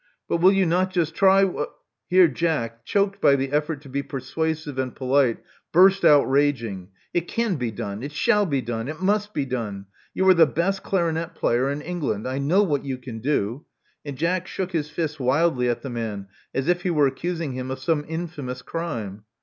*'But will you not just try wh " Here Jack, choked by the effort to be persuasive and polite, burst out raging: It can be done. It shall be done. It must be done. You are the best clarinet player in England. I know what you can do. " And Jack shook his fists wildly at the man as if he were accusing him of some infamous crime.